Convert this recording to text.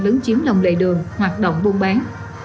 lứng chiếm lòng đầy đường hoạt động buôn bán